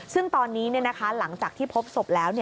ซึ่งตอนนี้หลังจากที่พบศพแล้ว